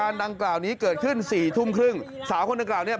มันคงอัดอันมาหลายเรื่องนะมันเลยระเบิดออกมามีทั้งคำสลัดอะไรทั้งเต็มไปหมดเลยฮะ